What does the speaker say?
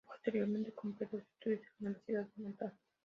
Posteriormente completa sus estudios en la Universidad de Natal.